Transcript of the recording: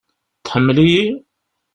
Tḥemmlem-iyi?